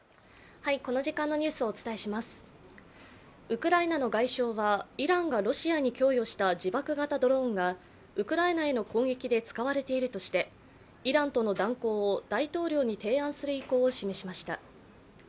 ウクライナの外相はイランがロシアに供与した自爆型ドローンがウクライナへの攻撃で使われているとしてイランとの断交を大統領に提案する意向を示しました。